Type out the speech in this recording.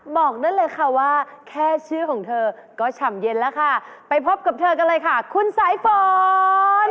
บอกได้เลยค่ะว่าแค่ชื่อของเธอก็ฉ่ำเย็นแล้วค่ะไปพบกับเธอกันเลยค่ะคุณสายฝน